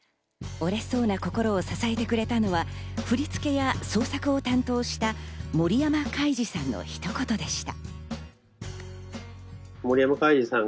折れそうな心を支えてくれたのは振り付けや創作を担当した森山開次さんの一言でした。